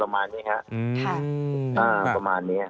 ประมาณนี้ครับ